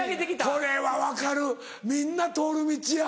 これは分かるみんな通る道や。